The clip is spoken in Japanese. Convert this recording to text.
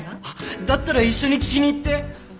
だったら一緒に聞きに行って。